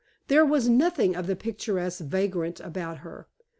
There was nothing of the picturesque vagrant about her.